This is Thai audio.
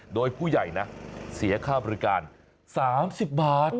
โดยผู้ใหญ่นะเสียค่าบริการ๓๐บาท